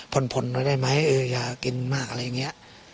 ผ่อนก็ได้ไหมเอออย่ากินมากอะไรอย่างนี้